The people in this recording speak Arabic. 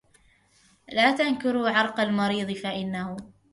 لا تنكروا عرق المريض فإنه